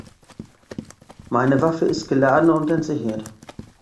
Meine Waffe ist geladen und entsichert.